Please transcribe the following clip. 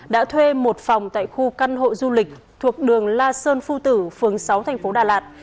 đã thuê một phòng tại khu căn hộ du lịch thuộc đường la sơn phu tử phường sáu tp đà lạt